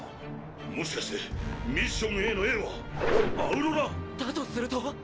もしかしてミッションＡの“Ａ”はアウロラ⁉だとすると？